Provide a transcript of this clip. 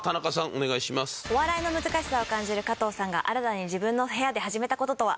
お笑いの難しさを感じる加藤さんが新たに自分の部屋で始めた事とは？